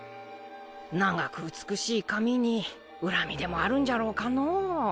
長く美しい髪に恨みでもあるんじゃろうかのう？